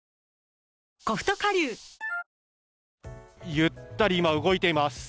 ゆったり今動いています。